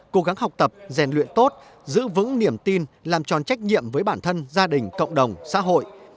cố gắng học tập rèn luyện tốt giữ vững niềm tin làm tròn trách nhiệm với bản thân gia đình cộng đồng xã hội